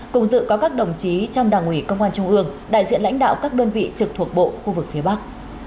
cùng dự có các đồng chí trong đảng ủy công an trung ương đại diện lãnh đạo các đơn vị trực thuộc bộ khu vực phía bắc